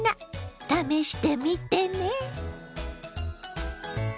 試してみてね。